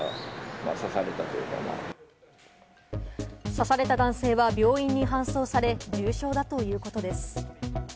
刺された男性は病院に搬送され、重傷だということです。